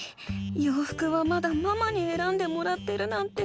ようふくはまだママにえらんでもらってるなんて。